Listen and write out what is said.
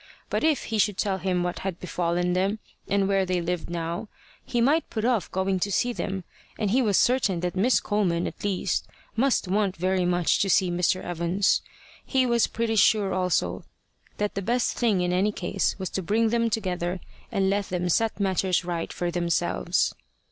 But if he should tell him what had befallen them, and where they lived now, he might put off going to see them, and he was certain that Miss Coleman, at least, must want very much to see Mr. Evans. He was pretty sure also that the best thing in any case was to bring them together, and let them set matters right for themselves.